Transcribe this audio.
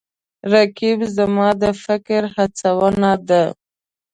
رقیب زما د فکر هڅونه ده